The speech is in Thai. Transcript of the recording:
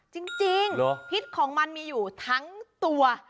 จริงพิษของมันมีอยู่ทั้งตัว